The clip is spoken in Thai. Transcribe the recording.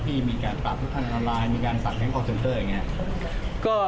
ที่มีการปรับทุกท่านออนไลน์มีการฝากแก๊งคอร์เซนเตอร์อย่างนี้